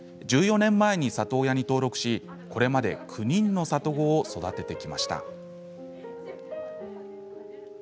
１４年前に里親に登録しこれまで９人の里子を育ててきました。